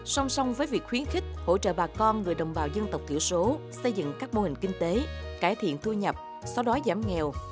song song với việc khuyến khích hỗ trợ bà con người đồng bào dân tộc thiểu số xây dựng các mô hình kinh tế cải thiện thu nhập xóa đói giảm nghèo